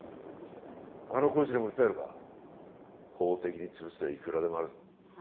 あのコーチでも訴えるか法的につぶす手はいくらでもあるぞあ